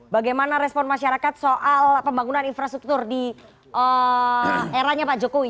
bagaimana respon masyarakat soal pembangunan infrastruktur di eranya pak jokowi